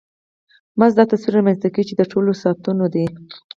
مزد دا تصور رامنځته کوي چې د ټولو ساعتونو دی